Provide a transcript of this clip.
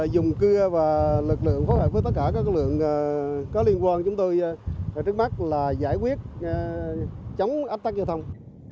dùng cưa và lực lượng phối hợp với tất cả các lực lượng có liên quan chúng tôi trước mắt là giải quyết chống ách tắc giao thông